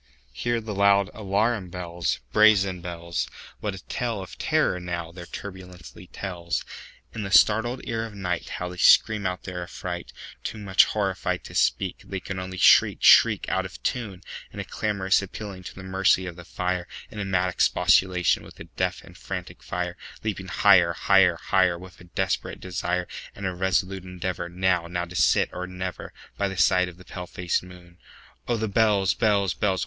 Hear the loud alarum bells, Brazen bells! What a tale of terror, now, their turbulency tells! In the startled ear of nightHow they scream out their affright! Too much horrified to speak, They can only shriek, shriek, Out of tune, In a clamorous appealing to the mercy of the fire, In a mad expostulation with the deaf and frantic fire, Leaping higher, higher, higher, With a desperate desire, And a resolute endeavorNow—now to sit or never, By the side of the pale faced moon. Oh, the bells, bells, bells!